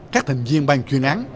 các thành viên bang chuyên án